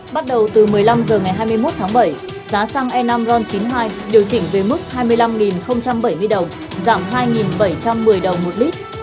bắt đầu từ một mươi năm h ngày hai mươi một tháng bảy giá xăng e năm ron chín mươi hai điều chỉnh về mức hai mươi năm bảy mươi đồng giảm hai bảy trăm một mươi đồng một lít